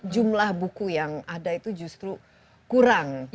jumlah buku yang ada itu justru kurang